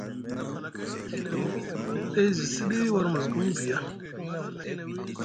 Day zi siɗi war Musgum viya.